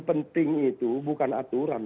penting itu bukan aturan